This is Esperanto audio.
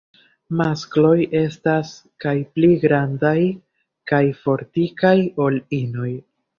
Maskloj estas kaj pli grandaj kaj fortikaj ol inoj.